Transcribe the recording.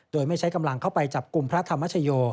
โดยไม่ใช้กำลังเข้าไปจับกลุ่มพระธรรมชโย